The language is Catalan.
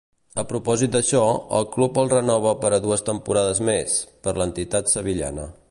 A propòsit d'això, el club el renova per a dues temporades més, per l'entitat sevillana.